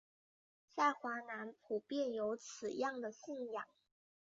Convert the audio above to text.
在华南普遍有此样的信仰。